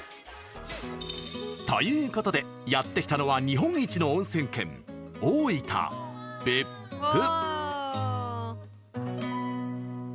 ということで、やって来たのは日本一の、おんせん県大分・別府。